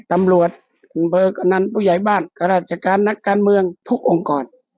ตำรวจอำเภอกนันผู้ใหญ่บ้านข้าราชการนักการเมืองทุกองค์กร